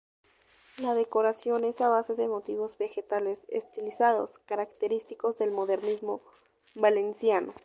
La decoración es a base de motivos vegetales estilizados, característicos del modernismo valenciano.